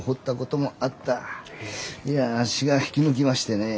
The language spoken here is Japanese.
いやあっしが引き抜きましてね。